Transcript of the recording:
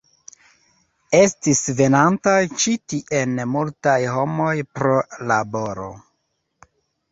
Estis venantaj ĉi tien multaj homoj pro laboro.